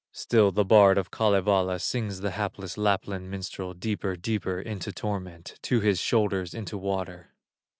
Still the bard of Kalevala Sings the hapless Lapland minstrel Deeper, deeper into torment, To his shoulders into water.